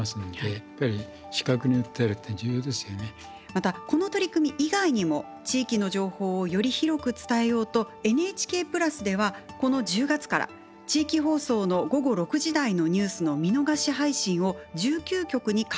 またこの取り組み以外にも地域の情報をより広く伝えようと「ＮＨＫプラス」ではこの１０月から地域放送の午後６時台のニュースの見逃し配信を１９局に拡大しました。